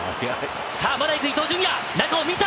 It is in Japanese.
さあ、まだいく、伊東純也、中を見た！